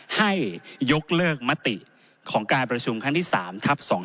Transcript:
ให้ยกเลิกมติของการประชุมครั้งที่๓ทับ๒๕๖